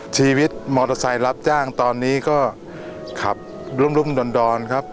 ชีวิตมอเตอร์ไซค์รับจ้างตอนนี้ก็ขับรุ่มดอนครับ